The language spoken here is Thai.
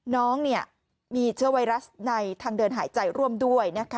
น้องมีเชื้อไวรัสในทางเดินหายใจร่วมด้วยนะคะ